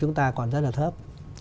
chúng ta còn rất là thấp